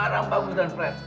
barang bagus dan fresh